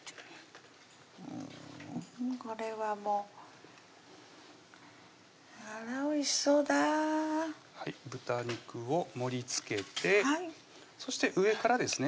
これはもうあらおいしそうだ豚肉を盛りつけてそして上からですね